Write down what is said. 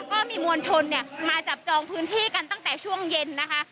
ก็มีมวลชนเนี่ยมาจับจองพื้นที่กันตั้งแต่ช่วงเย็นนะคะ